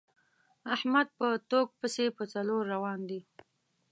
احمد په ټوک پسې په څلور روان وي.